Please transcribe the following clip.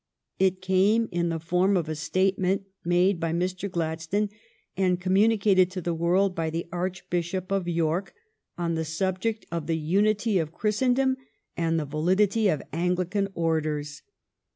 It came in the form of a statement made by Mr. Gladstone and communicated to the world by the Archbishop of York, on the subject of the unity of Christendom and the validity of Anglican orders.